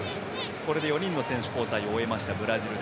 これで４人の選手交代を終えたブラジル。